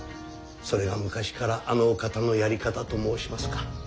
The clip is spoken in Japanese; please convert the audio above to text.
それが昔からあのお方のやり方と申しますか。